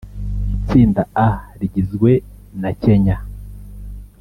Itsinda A rigizwe na Kenya